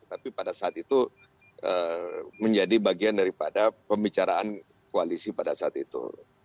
tapi pada saat itu menjadi bagian daripada pembicaraan koalisi pada saat itu